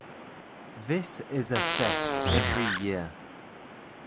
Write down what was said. This is assessed every year.